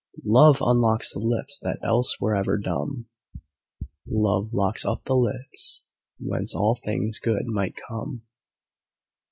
Love unlocks the lips that else were ever dumb: "Love locks up the lips whence all things good might come."